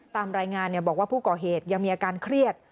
ตามรายงานบอกว่าผู้ก่อเหตุยังมีอาการเครียด